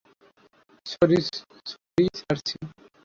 Sorry, সার্সি।